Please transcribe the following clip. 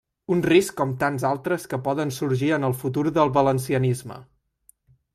Un risc com tants altres que poden sorgir en el futur del valencianisme.